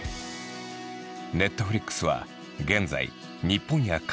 Ｎｅｔｆｌｉｘは現在日本や韓国のアニメ